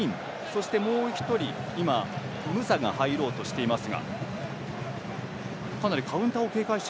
そして、もう１人今、ムサが入ろうとしています。